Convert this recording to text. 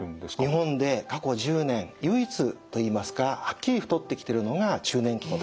日本で過去１０年唯一といいますかはっきり太ってきてるのが中年期の男性層なんです。